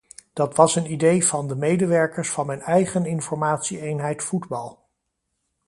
Dat was een idee van de medewerkers van mijn eigen informatie-eenheid voetbal.